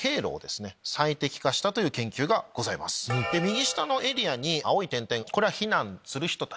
右下のエリアに青い点々これは避難する人たち。